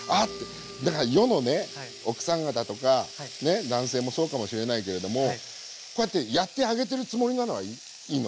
だから世のね奥さん方とか男性もそうかもしれないけれどもこうやってやってあげてるつもりなのはいいのね。